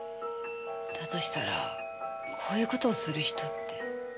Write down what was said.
だとしたらこういう事をする人って。